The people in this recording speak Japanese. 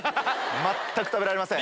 全く食べられません。